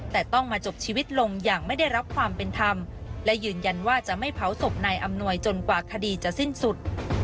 แต่ต้องมาจบชีวิตลงอย่างไม่ได้รับความเป็นธรรมและยืนยันว่าจะไม่เผาศพนายอำนวยจนกว่าคดีจะสิ้นสุด